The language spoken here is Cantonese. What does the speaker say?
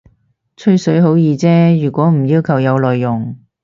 吹水好易啫，如果唔要求有內容